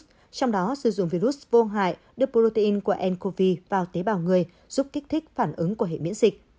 trong đó sử dụng virus vô hại đưa protein qua ncov vào tế bào người giúp kích thích phản ứng của hệ miễn dịch